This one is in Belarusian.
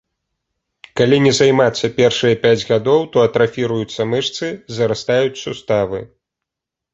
Калі не займацца першыя пяць гадоў, то атрафіруюцца мышцы, зарастаюць суставы.